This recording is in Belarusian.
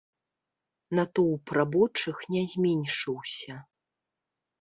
Натоўп рабочых не зменшыўся.